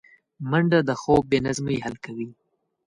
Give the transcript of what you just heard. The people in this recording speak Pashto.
منډه د خوب بې نظمۍ حل کوي